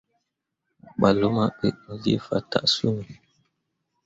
Mo ɓah luma ɓe, mu lii fataa summi.